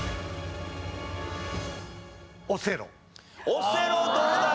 オセロどうだ？